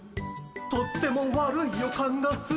とっても悪い予感がする。